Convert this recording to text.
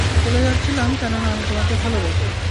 চলে যাচ্ছিলাম কেননা আমি তোমাকে ভালোবাসি।